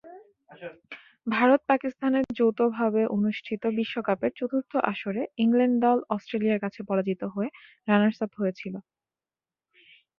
ভারত-পাকিস্তানে যৌথভাবে অনুষ্ঠিত বিশ্বকাপের চতুর্থ আসরে ইংল্যান্ড দল অস্ট্রেলিয়ার কাছে পরাজিত হয়ে রানার্স-আপ হয়েছিল।